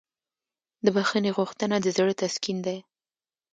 د بښنې غوښتنه د زړه تسکین دی.